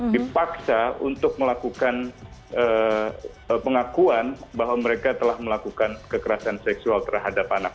dipaksa untuk melakukan pengakuan bahwa mereka telah melakukan kekerasan seksual terhadap anak